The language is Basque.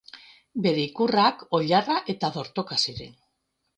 Bere ikurrak oilarra eta dortoka ziren.